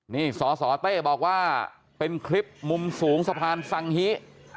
นี่สสเต้บอกว่าเป็นคลิปมุมสูงสะพานสังฮิ